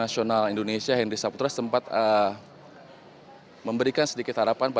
salon cup kelsey razoara alongnya